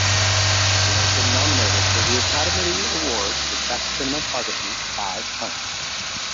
He has been nominated for the Academy Award for Best Cinematography five times.